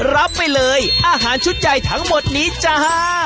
รับไปเลยอาหารชุดใหญ่ทั้งหมดนี้จ้า